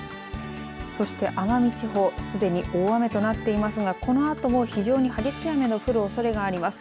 そして奄美地方すでに大雨となっていますがこのあとも非常に激しい雨の降るおそれがあります。